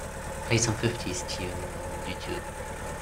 play some fifties tune on Youtube